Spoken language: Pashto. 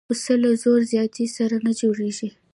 پسه له زور زیاتي سره نه جوړېږي.